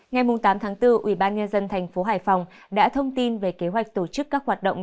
ngày tám tháng bốn ủy ban nhân dân thành phố hải phòng đã thông tin về kế hoạch tổ chức các hoạt động